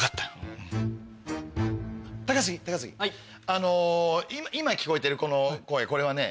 あの今聞こえてるこの声これはね